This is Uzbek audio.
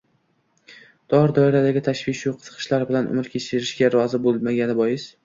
Tor doiradagi tashvishu qiziqishlar bilan umr kechirishga rozi bo‘lmagani bois